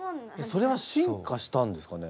それは進化したんですかね？